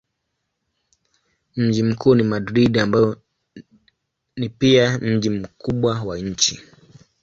Mji mkuu ni Madrid ambayo ni pia mji mkubwa wa nchi.